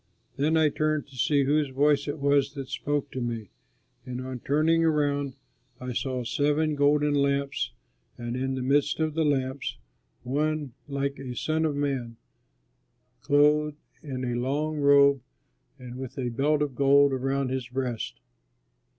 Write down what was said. Then I turned to see whose voice it was that spoke to me; and on turning around I saw seven golden lamps and in the midst of the lamps One, like a Son of man, clothed in a long robe and with a belt of gold around his breast.